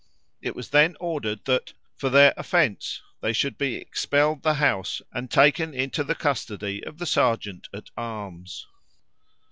It was then ordered that, for their offence, they should be expelled the House, and taken into the custody of the sergeant at arms.